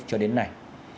cho đến nay